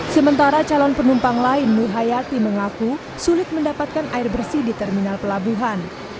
sementara calon penumpang lain nur hayati mengaku sulit mendapatkan air bersih di terminal pelabuhan